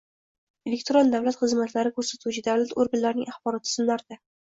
Elektron davlat xizmatlari ko‘rsatuvchi davlat organlarining axborot tizimlarida